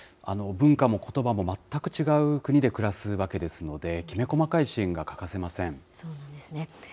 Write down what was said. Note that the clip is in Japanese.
文化もことばも全く違う国で暮らすわけですので、きめ細かい支援そうなんですね。